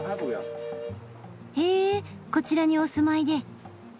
へぇこちらにお住まいで。